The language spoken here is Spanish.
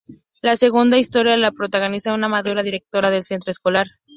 La segunda historia la protagoniza una madura directora de centro escolar.